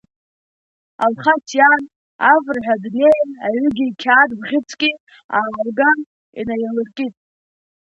Алхас иан, афырҳәа днеин, аҩыгеи қьаад бӷьыцки аалган, инаилыркит.